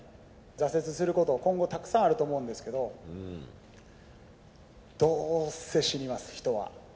挫折すること、今後、たくさんあると思うんですけど、どうせ死にます、人は。